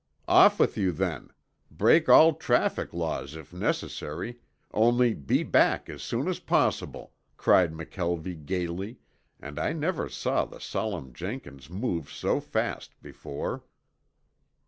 "Off with you, then. Break all traffic laws if necessary. Only be back as soon as possible," cried McKelvie gayly, and I never saw the solemn Jenkins move so fast before.